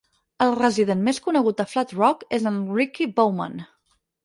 El resident més conegut de Flat Rock és en Ricky Bowman.